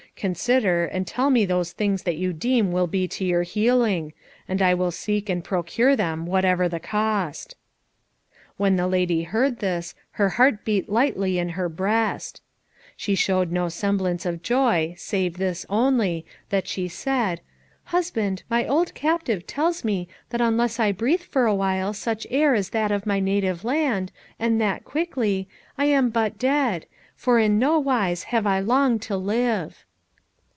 Consider and tell me those things that you deem will be to your healing, and I will seek and procure them whatever the cost." When the lady heard this, her heart beat lightly in her breast. She showed no semblance of joy, save this only, that she said, "Husband, my old captive tells me that unless I breathe for awhile such air as that of my native land, and that quickly, I am but dead, for in nowise have I long to live."